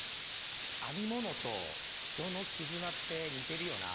編み物と人の絆って似てるよな。